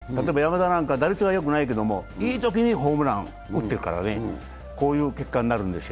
例えば山田なんか打率はよくないけれども、いいときにホームランを打ってるからこういう結果になるんですよ。